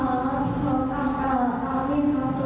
ฉันคิดว่านะครับ